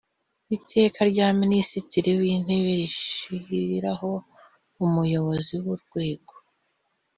Iteka rya Minisitiri w Intebe rishyiraho Umuybozi w Urwego